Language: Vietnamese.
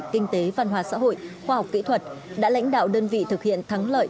kinh tế văn hóa xã hội khoa học kỹ thuật đã lãnh đạo đơn vị thực hiện thắng lợi